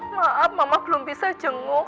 maaf mama belum bisa jengu